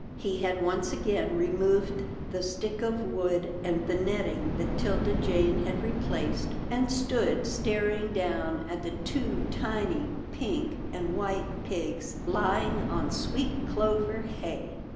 He had once again removed the stick of wood, and the netting that 'Tilda Jane had replaced, and stood staring down at the two tiny pink and white pigs lying on sweet clover hay.